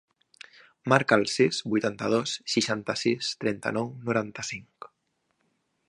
Marca el sis, vuitanta-dos, seixanta-sis, trenta-nou, noranta-cinc.